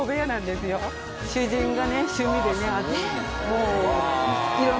主人がね趣味でね。